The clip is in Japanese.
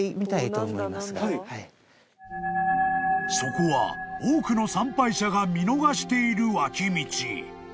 ［そこは多くの参拝者が見逃している脇道］